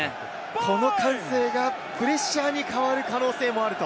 この歓声がプレッシャーに変わる可能性もあると？